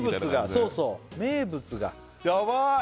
そうそう名物がヤバい